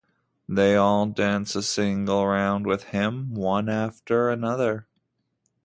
They all dance a single round with him, one after another.